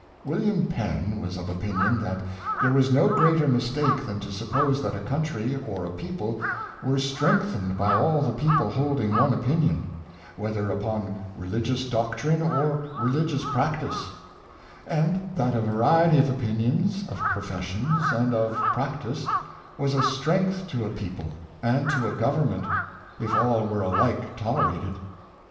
William Penn was of opinion that there was no greater mistake than to suppose that a country or a people were strengthened by all the people holding one opinion, whether upon religious doctrine or religious practice; and that a variety of opinions, of professions, and of practice, was a strength to a people and to a govern ment, if all were alike tolerated.